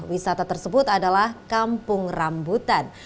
wisata tersebut adalah kampung rambutan